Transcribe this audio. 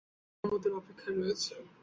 লঞ্চের অনুমতির অপেক্ষায় রয়েছে।